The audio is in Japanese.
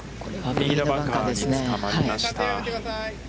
右のバンカーにつかまりました。